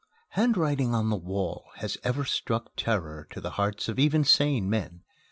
Handwriting on the wall has ever struck terror to the hearts of even sane men.